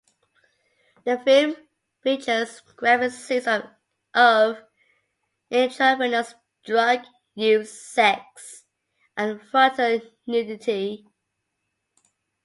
The film features graphic scenes of intravenous drug use, sex, and frontal nudity.